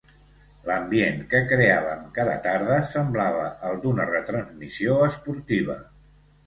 L'ambient que creàvem cada tarda semblava el d'una retransmissió esportiva.